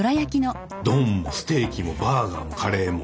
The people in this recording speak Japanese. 丼もステーキもバーガーもカレーも。